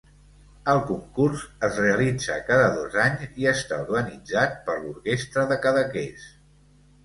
El concurs es realitza cada dos anys i està organitzat per l'Orquestra de Cadaqués.